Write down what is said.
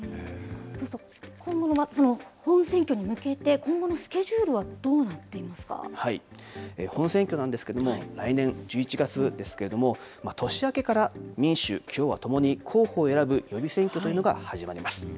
そうすると今後、本選挙に向けて、今後のスケジュールはどう本選挙なんですけれども、来年１１月ですけれども、年明けから民主、共和ともに候補を選ぶ予備選挙というのが始まります。